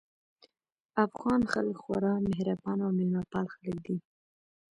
افغان خلک خورا مهربان او مېلمه پال خلک دي